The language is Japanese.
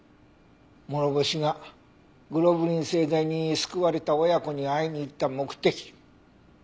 諸星がグロブリン製剤に救われた親子に会いに行った目的。